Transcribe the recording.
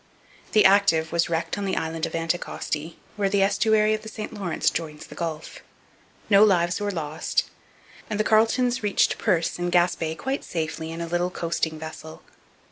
The Active was wrecked on the island of Anticosti, where the estuary of the St Lawrence joins the Gulf. No lives were lost, and the Carletons reached Perce in Gaspe quite safely in a little coasting vessel.